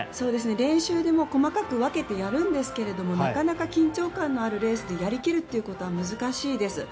練習で細かく分けてやるんですけれどもなかなか緊張感のあるレースでやり切るのは難しいです。